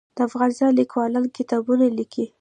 د افغانستان لیکوالان کتابونه لیکي